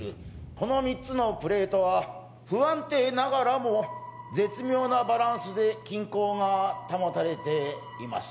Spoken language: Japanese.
この３つのプレートは不安定ながらも絶妙なバランスで均衡が保たれています